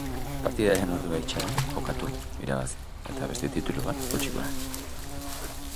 Partidaren ordua itxaron, jokatu, irabazi, eta beste titulu bat poltsikora.